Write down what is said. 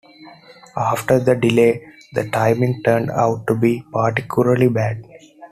After the delays, the timing turned out to be particularly bad.